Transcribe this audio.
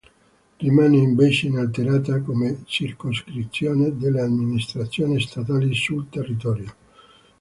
Rimane invece inalterata come circoscrizione delle amministrazioni statali sul territorio.